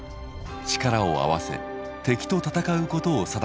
力を合わせ敵と戦うことを定めています。